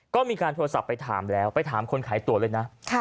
ก็มีการโทรศัพท์ไปถามแล้วไปถามคนขายตัวเลยนะ